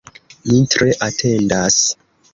Mi tre atendas.